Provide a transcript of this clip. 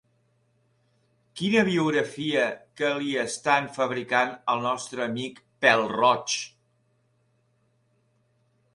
Quina biografia que li estant fabricant al nostre amic pèl-roig!